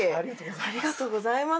ありがとうございます。